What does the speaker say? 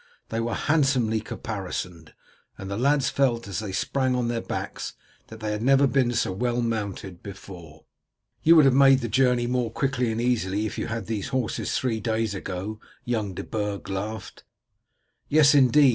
They were handsomely caparisoned, and the lads felt as they sprang on to their backs that they had never been so well mounted before. "You would have made the journey more quickly and easily if you had had these horses three days ago," young De Burg laughed. "Yes, indeed.